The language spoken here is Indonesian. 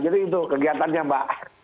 ya jadi itu kegiatannya mbak